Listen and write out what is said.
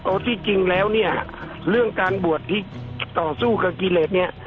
เอาที่จริงแล้วเนี่ยเรื่องการบวชที่ต่อสู้กับกิเลสเนี่ย